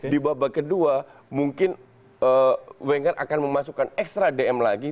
di babak kedua mungkin wenger akan memasukkan ekstra dm lagi